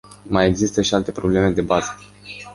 Mai există și alte probleme de bază.